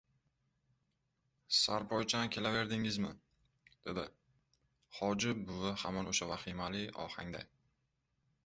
— Sarpoychan kelaverdingizmi?! — dedi Hoji buvi hamon o‘sha vahimali ohangda.